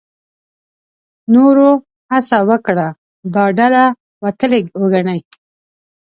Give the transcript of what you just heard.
نورو هڅه وکړه دا ډله وتلې وګڼي.